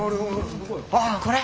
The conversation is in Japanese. ああこれ。